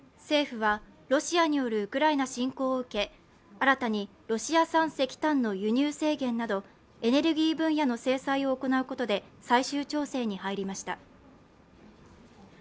政府はロシアによるウクライナ侵攻を受け、新たにロシア産石炭の輸入制限など、エネルギー分野の制裁を行うことで最終調整に入りました。